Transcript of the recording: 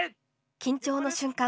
緊張の瞬間。